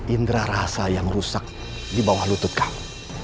indra rasa yang rusak di bawah lutut kamu